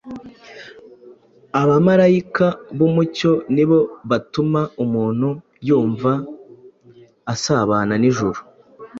Aba bamarayika b’umucyo nibo batuma umuntu yumva asabana n’ijuru,